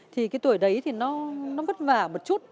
thì cái tuổi đấy thì nó vất vả một chút